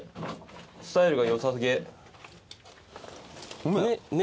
スタイルがよさげ。